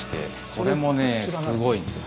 これもねすごいですよ。